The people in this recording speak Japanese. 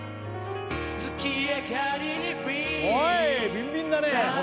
ビンビンだねノ